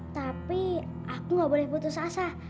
tapi aku gak boleh putus asa